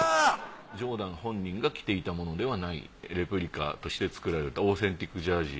ジョーダン本人が着ていたものではないレプリカとして作られたオーセンティックジャージ。